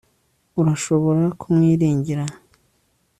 urashobora kumwiringira